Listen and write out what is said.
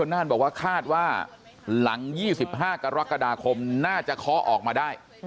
น่าจะเคาะออกมาได้